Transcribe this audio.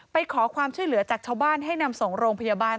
ไปขอความช่วยเหลือจากชาวบ้านให้นำส่งโรงพยาบาล